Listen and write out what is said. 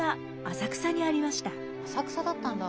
浅草だったんだ。